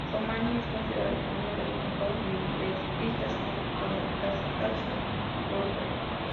Romani es considerado como uno de los mejores libretistas, junto a Metastasio y Boito.